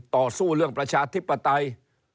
ต่อสู้เรื่องประชาธิปไตย